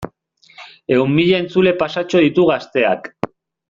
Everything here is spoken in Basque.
Ehun mila entzule pasatxo ditu Gazteak.